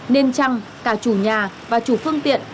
nên chăng cả chủ nhà và chủ phương tiện